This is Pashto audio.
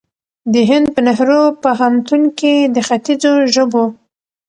د هند په نهرو پوهنتون کې د خیتځو ژبو